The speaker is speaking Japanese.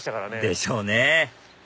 でしょうね